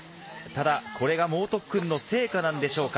ただ、これが猛特訓の成果なんでしょうか。